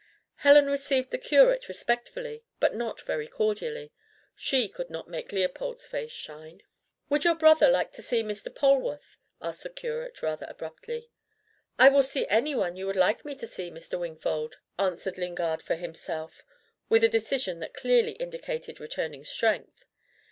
Helen received the curate respectfully, but not very cordially: SHE could not make Leopold's face shine! "Would your brother like to see Mr. Polwarth?" asked the curate rather abruptly. "I will see anyone you would like me to see. Mr. Wingfold," answered Lingard for himself, with a decision that clearly indicated returning strength.